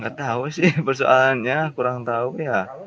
nggak tahu sih persoalannya kurang tahu ya